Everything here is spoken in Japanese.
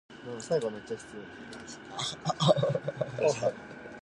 おすすめのジャル場を教えてください。いやアナ場な。航空会社違い。